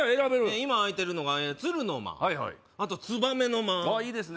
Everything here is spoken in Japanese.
今空いてるのが鶴の間あとつばめの間ああいいですね